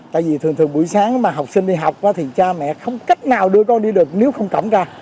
tại vì thường thường buổi sáng mà học sinh đi học thì cha mẹ không cách nào đưa con đi được nếu không cổng ra